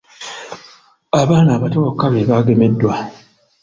Abaana abato bokka be baagemeddwa.